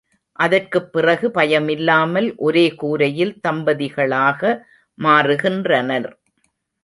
அதற்குப் பிறகு பயமில்லாமல் ஒரே கூரையில் தம்பதிகளாக மாறுகின்றனர்.